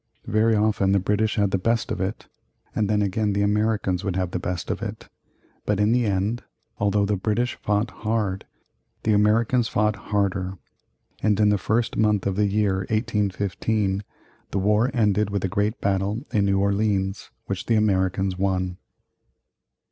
Very often the British had the best of it, and then again the Americans would have the best of it. But in the end, although the British fought hard, the Americans fought harder, and in the first month of the year 1815 the war ended with a great battle in New Orleans, which the Americans won.